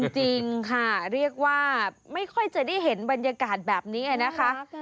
จริงค่ะเรียกว่าไม่ค่อยจะได้เห็นบรรยากาศแบบนี้นะคะ